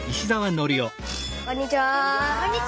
こんにちは。